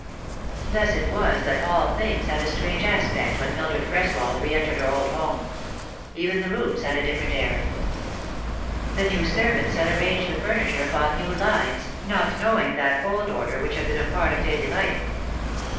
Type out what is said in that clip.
Thus it was that all things had a strange aspect when Mildred Greswold reentered her old home. Even the rooms had a different air. The new servants had arranged the furniture upon 70 The Fatal Three. new lines, not knowing that old order which had been a part of daily life.